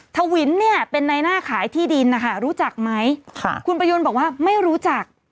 ทวินเนี่ยเป็นในหน้าขายที่ดินนะคะรู้จักไหมค่ะคุณประโยนบอกว่าไม่รู้จัก